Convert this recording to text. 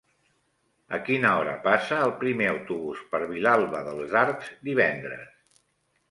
A quina hora passa el primer autobús per Vilalba dels Arcs divendres?